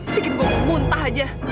bikin gue muntah aja